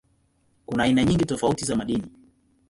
Kuna aina nyingi tofauti za madini.